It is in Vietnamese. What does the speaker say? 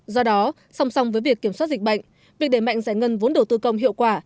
do đó song song với việc kiểm soát dịch bệnh việc đẩy mạnh giải ngân vốn đầu tư công hiệu quả